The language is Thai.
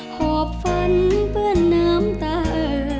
ขอบฝันเปื้อนน้ำตา